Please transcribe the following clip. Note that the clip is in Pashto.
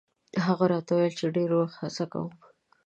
هغه راته ویل چې ډېر وخت هڅه کوم.